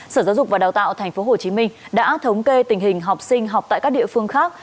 sở giáo dục và đào tạo tp hcm đã thống kê tình hình học sinh học tại các địa phương khác